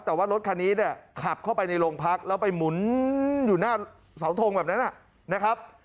แต่ว่ารถคันนี้เนี่ยขับเข้าไปในโรงพักแล้วไปหมุนอยู่หน้าเสาทงแบบนั้นนะครับ